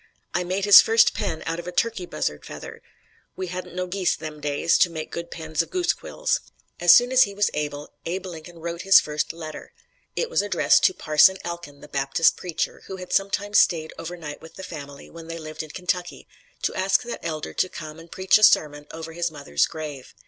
I made his first pen out of a turkey buzzard feather. We hadn't no geese them days to make good pens of goose quills." As soon as he was able Abe Lincoln wrote his first letter. It was addressed to Parson Elkin, the Baptist preacher, who had sometimes stayed over night with the family when they lived in Kentucky, to ask that elder to come and preach a sermon over his mother's grave.